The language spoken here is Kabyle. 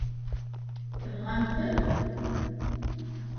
Tebɣam-ten?